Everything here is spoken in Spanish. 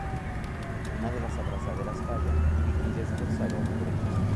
Una de las abrazaderas falla y Virgil es forzado a volver a empezar.